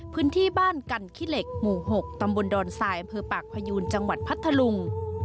พื้นที่บ้านกันขี้เหล็กหมู่๖ตำบลดอนทรายอำเภอปากพยูนจังหวัดพัทธลุง